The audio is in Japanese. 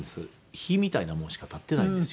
碑みたいなものしか建っていないんですよね。